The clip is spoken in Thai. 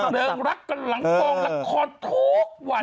เรื่องรักกันหลังกองละครทุกวัน